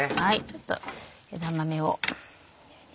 ちょっと枝豆を。